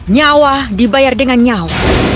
nyawa dibayar dengan nyawa